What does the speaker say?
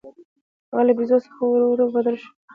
هغه له بیزو څخه ورو ورو بدل شو.